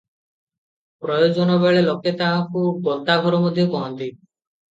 ପ୍ରୟୋଜନବେଳେ ଲୋକେ ତାହାକୁ ଗନ୍ତାଘର ମଧ୍ୟ କହନ୍ତି ।